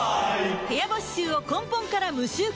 部屋干し臭を根本から無臭化